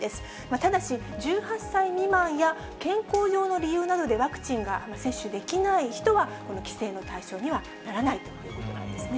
ただし、１８歳未満や健康上の理由などでワクチンが接種できない人は、規制の対象にはならないということなんですね。